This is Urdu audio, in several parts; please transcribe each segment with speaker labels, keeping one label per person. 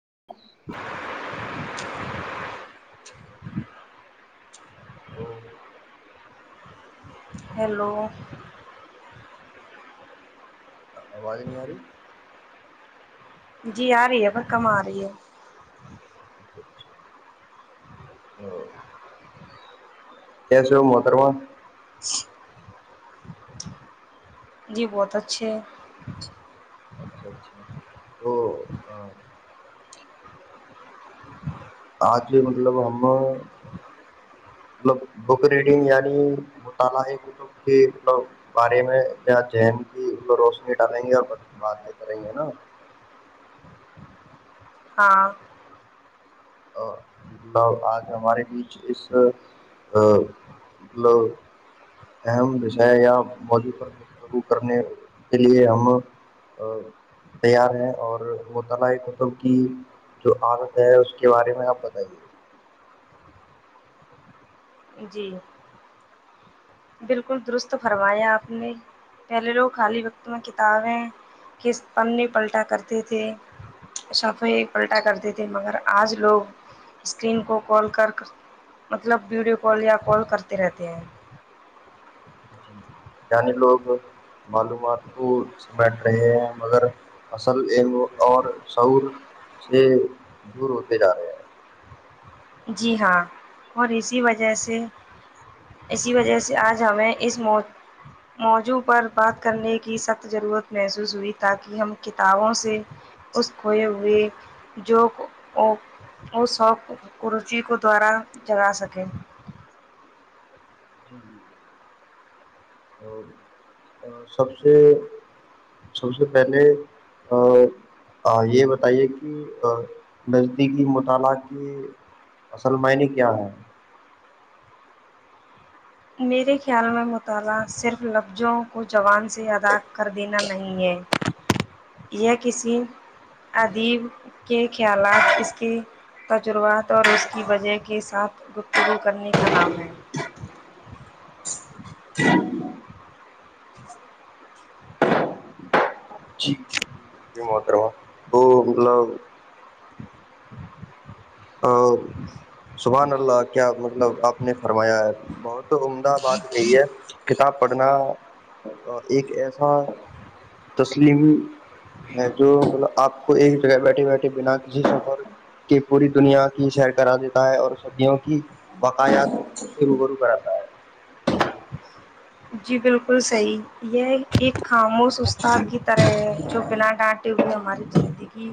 Speaker 1: [unintelligible] [unintelligible]
Speaker 2: او [unintelligible]
Speaker 1: ہیلو
Speaker 2: آواز نہیں آ رہی
Speaker 1: جی آ رہی ہے پر کم آ رہی ہے
Speaker 2: اچھا اچھا ا کیس مترما
Speaker 1: جی بہت اچھے ہے
Speaker 2: اچھا اچھا تو آج مطلب ہم مطلب بک ریڈنگ یعنی مطالعہ کتب کی مطلب بارے میں ذین کی روشنی ڈالیں گے اور باتیں کریں گے نا
Speaker 1: ہاں
Speaker 2: مطلب آج ہمارے بیچ اس مطلب اہم رشے یا موضوع پر گفتگو کرنے کے لیے ہم تیار ہیں اور مطالع کتب کی جو عادت ہے اس کی کے بارے میں آپ بتائیے
Speaker 1: جی بالکل درست فرمایا آپ نے پہلے لوگ خالی وقت میں کتابیں کے پنے پلٹا کرتے تھے وہ ایک الٹا کرتے تھے مگر آج لوگ اسکرین کو کال کر مطلب ویڈیو کال یا کال کرتے رہتے ہیں
Speaker 2: جی جی یع لوگ معلومات کو سمیٹ رہے ہیں مگر اصل علم اور شعور سے دور ہوتے جا رہے ہیں
Speaker 1: جی ہاں اور اسی وجہ سے اسی وجہ سے آج ہمیں اس موضوع پر بات کرنے کی سخت ضرورت محسوس ہوئی تاکہ ہم کتابوں سے اس کھوئے ہوئے جو اسوق اوچی کو دوارا جگا سکیں
Speaker 2: جی جی سب سے سب سے پہلے یہ بتائیے کہ نزدیکی مطالعہ کے اصل معنی کیا ہے
Speaker 1: میرے خیال میں مطالعہ صرف لفظوں کو جوان سے ادا کر دینا نہیں ہے یہ کسی ادیب کے خیالات اس کے تجربات اور اس کی وجہ کے ساتھ گفتگو کرنے کا نام ہے
Speaker 2: کر تو مطلب ا سبحان اللہ کیا مطلب آپ نے فرمایا ہے بہت عمدہ بات کہی ہے کتاب پڑھنا ایک ایسا تسلیم ہے جو مطلب آپ کو ایک جگہ بیٹھے بیٹھے بنا کسی سفر کے پوری دنیا کی سیر کرا دیتا ہے اور صدیوں کی باقایات سے روبرو کراتا ہے
Speaker 1: جی بالکل صحیح یہ ایک خاموش استاد کی طرح ہے جو بنا ڈانٹے ہوئے ہماری زندگی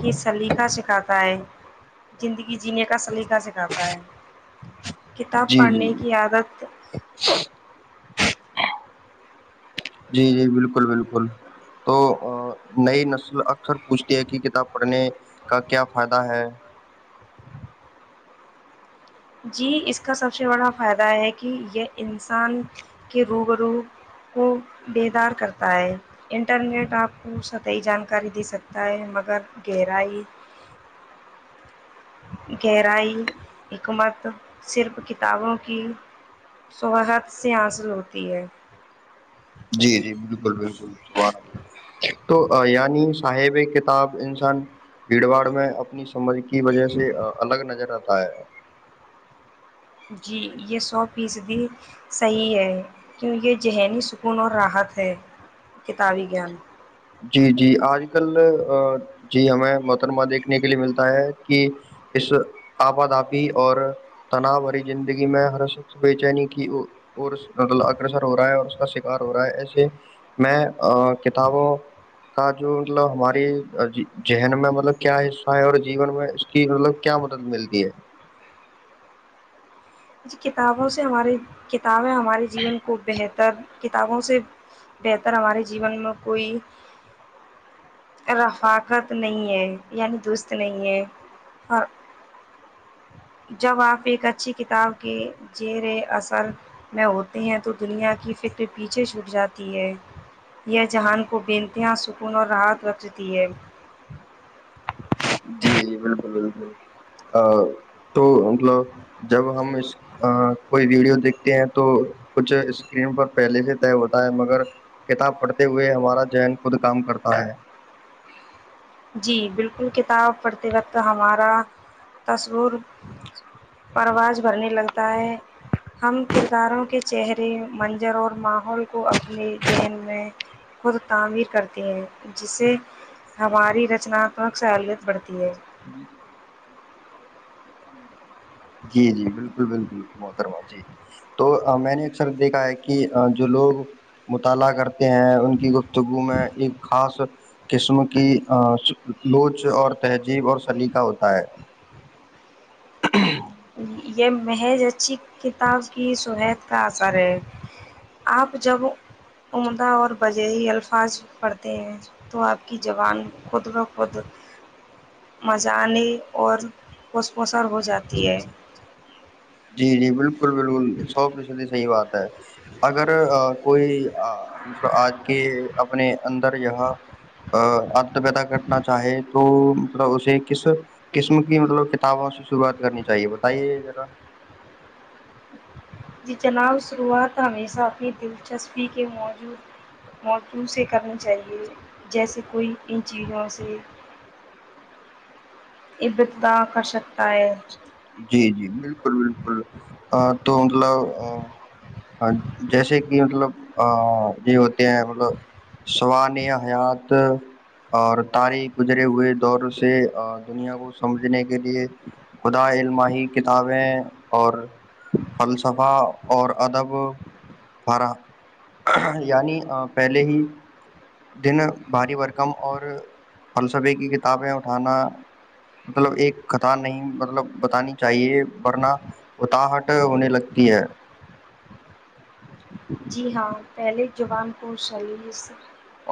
Speaker 1: کے سلیقہ سکھاتا ہے زندگی جینے کا سلیقہ سکھاتا ہے کتاب
Speaker 2: جی
Speaker 1: پڑھنے
Speaker 2: جی
Speaker 1: کی عادت
Speaker 2: جی جی بالکل بالکل تو نئی نسل اکثر پوچھتی ہے کہ کتاب پڑھنے کا کیا فائدہ ہے
Speaker 1: جی اس کا سب سے بڑا فائدہ ہے کہ یہ انسان کے روبرو کو بیدار کرتا ہے انٹرنیٹ آپ کو سطحی جانکاری دے سکتا ہے مگر گہرائی گہرائی حکمت صرف کتابوں کی صوحت سے حاصل ہوتی ہے
Speaker 2: جی جی بالکل بالکل تو یعنی صاحب کتاب انسان بھیڑ باڑ میں اپنی سمجھ کی وجہ سے الگ نظر آتا ہے
Speaker 1: جی یہ سو فیصدی صحیح ہے کیوں یہ ذہنی سکون اور راحت ہے کتابی گان
Speaker 2: جی جی آج کل جی ہمیں مترمہ دیکھنے کے لیے ملتا ہے کہ اس آبادابی اور تنا بری زندگی میں ہر شخص بے چینی کیط اگرسر ہو رہا ہے اور اس کا شکار ہو رہا ہے ایسے میں کتابوں کا جو مطلب ہماری ذہن میں مطلب کیا حصہ ہے اور جیون میں اس کی مطلب کیا مدد ملتی ہے
Speaker 1: کتابوں سے ہماری تعویں ہمارے جیونن کو بہتر تر کتابوں سے بہتر ہمارے جیون میں کوئی رفاقت نہیں ہے یعنی درست نہیں ہے اور جب آپ ایک اچھی کتاب کے زیر اثر میں ہوتے ہیں تو دنیا کی فکر پیچھے چھوٹ جاتی ہے یہ جہان کو بینتیاں سکون اور راحت رکھتی ہے
Speaker 2: جی جی بالکل بالکل تو مطلب جب ہم اس کوئی ویڈیو دیکھتے ہیں تو کچھ اسکرین پر پہلے سے طے ہوتا ہے مگر کتاب پڑھتے ہوئے ہمارا جین خود کام کرتا ہے
Speaker 1: جی بالکل کتاب پڑھتے وقت ہمارا تصور پرواز بھرھنے لگتا ہے ہم کرداروں کے چہرے منظر اور ماحول کو اپنے ذہن میں خود تعمیر کرتے ہیں جس سے ہماری رچناتتمک سہولت بڑھتی ہے
Speaker 2: جی جی جی بالکل بالکل محترما جی تو میں نے اکثر دیکھا ہے کہ جو لوگ مطالعہ کرتے ہیں ان کی گفتگو میں ایک خاص قسم کی لوچ اور تہذیب اور سلیقہ ہوتا ہے
Speaker 1: یہ محض اچھی کتاب کی سہت کا اثر ہے آپ جب عمدہ اور بجیر الفاظ پڑھتے ہیں تو آپ کی زبان خود بخود مضان اور خوس مسر ہو جاتی تی ہے
Speaker 2: جی جی بالکل الکل بالکل سوش صحیح بات ہے اگر کوئی مطلب آج کے اپنے اندر یہاں ات پیدا کرنا چاہے تو مطلب اسے کس قسم کی مطلب کتابوں سے شروعات کرنی چاہیے بتائیے ذرا
Speaker 1: جی جناب شروعات ہمیشہ اپنی دلچسپی کے موجود موجوع سے کرنی چاہیے جیسے کوئی ان چیزوں سے ابتد کر سک
Speaker 2: جی جی بالکل بالکل ا تو مطلب ہمم ہاں جیسے کہ مطلب ا یہ ہوتے ہیں مطلب سوان حیات اور تاریخ گزرے ہوئے دور سے دنیا کو سمجھنے کے لیے خدا علماہی کتابیں اور فلسفہ اور ادب فر یعنی پہلے ہی دن بھاری بورکم اور فلسفے کی کتابیں اٹھانا مطلب ایک خطار نہیں مطلب بتانی چاہیے ورنہ اتااہٹ ہونے لگتی ہے
Speaker 1: جی ہاں پہلے زبان کو سلیس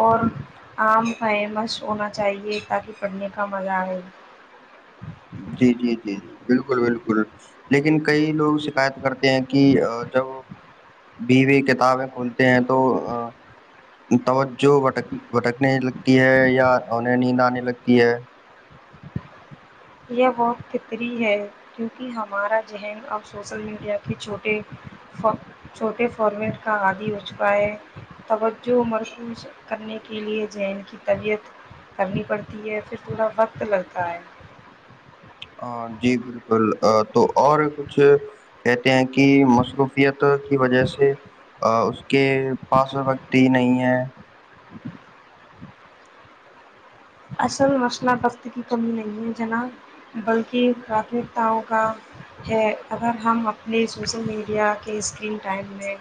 Speaker 1: اور آم ف مس سنا چاہیے تاکہ پڑھنے کا مزہ آئے
Speaker 2: جی جی جی جی بالکل بالکل لیکن کئی لوگ شکایت کرتے ہیں کہ جب بھی بھی کتابیں کھولتے ہیں تو توجہ بٹک بھٹکنے لگتی ہے یا انہیں نیند آنے لگتی ہے
Speaker 1: یہ بہت فطری ہے کیونکہ ہمارا ذہن اب سوسل میڈیا کے چھوٹے چھوٹے فارمیٹ کا عادی ہو چکا ہے توجہ مرکوز کرنے کے لئے ذہن کی طبیعت کرنی پڑتی ہے پھر تھوڑا وقت لگتا ہے
Speaker 2: ہ جی بالکل تو اور کچھ کہتے ہیں کہ مصروفیت کی وجہ سے اس کے پاس وقت ہی نہیں ہے
Speaker 1: اصل مسئلہ وقت کی کمی نہیں ہے جنا بلکہ پراتھمکتاؤں کا ہے اگر ہم اپنے سوسل میڈیا کے اسکن ٹائم میں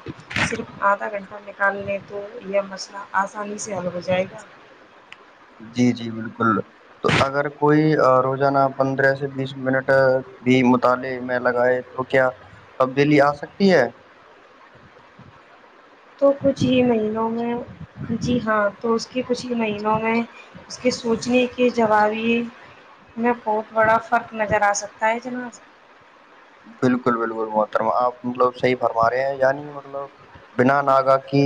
Speaker 1: صرف آدھا گھنٹے نکال لیں تو یہ مچئلہ آسانی سے حل ہو جائے گا
Speaker 2: جی جی بالکل تو اگر کوئی روزانہ پندرہ سے بیس منٹ بھی مطالعے میں لگائے تو کیا تبدیلی آ سکتی ہے
Speaker 1: تو کچھ ہی مہینوں میں جی ہاں تو اس کے کچھ ہی مہینوں میں اس کے سوچنے کے جوابیے میں بہت بڑا فرق نظر آ سکتا ہے جناب
Speaker 2: بالکل بالکل محترم آپ مطلب صحیح فرما رہے ہیں یعنی مطلب بنا ناگا کی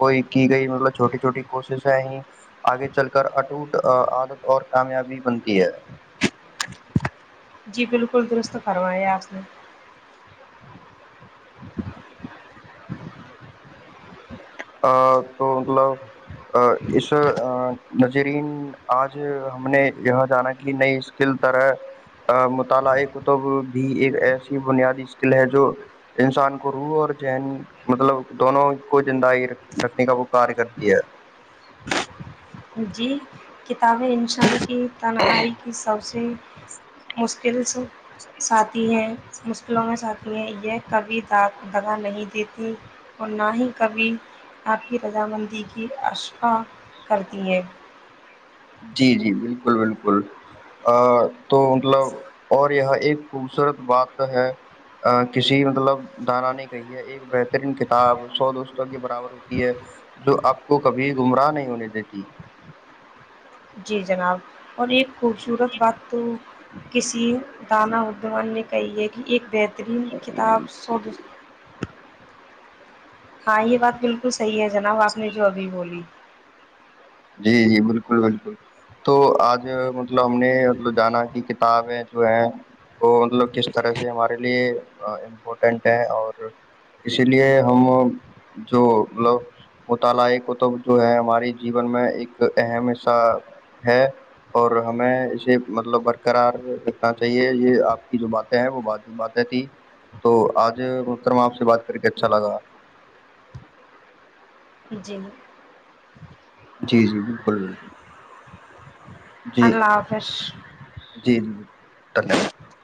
Speaker 2: کوئی کی گئی مطلب چھوٹی چھوٹی کوششیں ہی آگے چل کر اٹوٹ عادت اور کامیابی بنتی ہے
Speaker 1: جی بالکل درست فرمایا آپ نے
Speaker 2: تو مطلب اس نظرین آج ہم نے یہاں جانا کہ نئی اسکل طرح مطالعہ کتب بھی ایک ایسی بنیادی اسکل ہے جو انسان کو روح اور ذن مطلب دونوں کو زندہ رکھنے کا وہ کاریہ کرتی ہے
Speaker 1: جی کتابیں انسان یہ تنہائی کی سب سے مشکلس ساتتی ہیں مشکلوں میں س آتی ہیں یہ کبھی داغ دگا نہیں دیتی اور نہ ہی کبھی آپ کی رضامندی کی اشقا کرتی یہ
Speaker 2: جی جی بالکل بالکل تو مطلب اور یہ ایک خوبصورت بات ہے کسی مطلب دانا نے کہی ہے ایک بہترین کتاب سو دوستوں کے برابر ہوتی ہے جو آپ کو کبھی گمراہ نہیں ہونے دیتی
Speaker 1: جی جناب اور ایک خوبصورت بات تو کسی دانا اڈوان نے کہی ہے کہ ایک بت بہترین کتاب سو دوست ہاں یہ بات بالکل صحیح ہے جناب آپ نے جو ابھی بولی
Speaker 2: جی جی بالکل بالکل تو آج مطلب ہم نے مل جانا کہ کتابیں جو ہیں وہ مطلب کس طرح سے ہمارے لیے امپورٹنٹ ہیں اور اسی لیے ہم جو ملب مطالعے کتب جو ہے ہماری جی ج میں ایک اہم حصہ ہے اور ہمیں اسے مطلب برقرار رکھنا چاہیے یہ آپ کی جو باتیں ہے وہ باتیں تھی تو آج مترم آپ سے بات کر کے اچھا لگا
Speaker 1: جی
Speaker 2: جی جی بالکل بالکل جی
Speaker 1: اللہ حافظ
Speaker 2: جی جی بالکل دھنیہاد